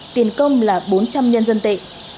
tiền công là bốn trăm linh nhân dân tệ